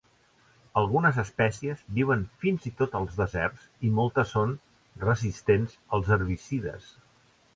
Algunes espècies viuen fins i tot als deserts i moltes són resistents als herbicides.